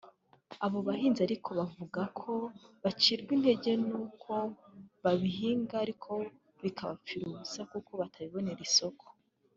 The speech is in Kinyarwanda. Abo bahinzi ariko bo bavuga ko bacibwa intege n’uko babihinga ariko bikabapfira ubusa kuko batabibonera isoko